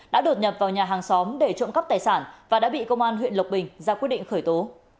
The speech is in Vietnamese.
đã đột nhập vào nhà hàng xóm để trộm cắp tài sản và đã bị công an huyện lộc bình ra quyết định khởi tố